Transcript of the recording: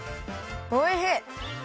おいしい！